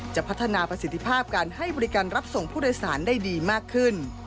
จะพัฒนาประสิทธิภาพการให้บริการรับส่งผู้โดยสารได้ดีมากขึ้น